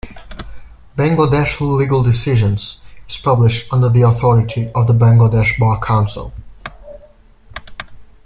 Bangladesh Legal Decisions is published under the authority of the Bangladesh Bar Council.